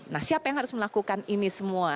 nah siapa yang harus melakukan ini semua